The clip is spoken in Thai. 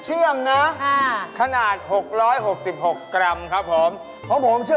ใช้หมดปั๊กนอนในขวดได้เลย